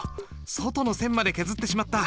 外の線まで削ってしまった。